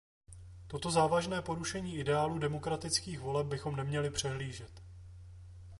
Toto závažné porušení ideálu demokratických voleb bychom neměli přehlížet.